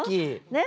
ねっ？